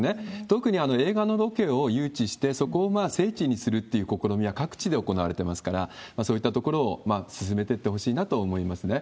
特に映画のロケを誘致して、そこを聖地にするという試みは各地で行われていますから、そういったところを進めていってほしいなと思いますね。